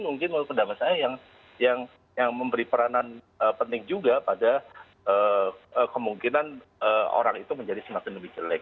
mungkin menurut pendapat saya yang memberi peranan penting juga pada kemungkinan orang itu menjadi semakin lebih jelek